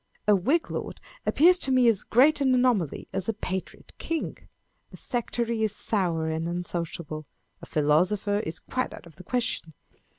A Whig lord appears to me as great an anomaly as a patriot king. A sectary is sour and unsociable. A philosopher is quite out of the question.